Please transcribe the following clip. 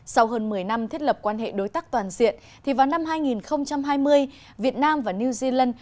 sau hơn một mươi năm thiết lập quan hệ đối tác toàn diện vào năm hai nghìn hai mươi việt nam và new zealand